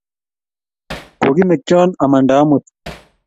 kokimekgion amanda omut